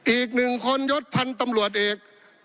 อีก๑คนยดพันตำรวจเอก